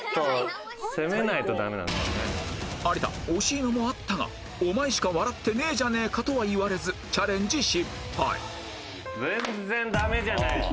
有田惜しいのもあったが「お前しか笑ってねえじゃねえか！」とは言われずチャレンジ失敗全然ダメじゃないですか。